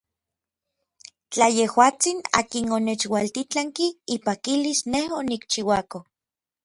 Tla yejuatsin akin onechualtitlanki ipakilis nej onikchiuako.